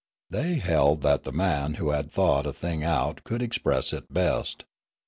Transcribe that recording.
They held that the man who had thought a thing out could express it best.